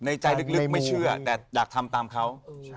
ใจลึกไม่เชื่อแต่อยากทำตามเขา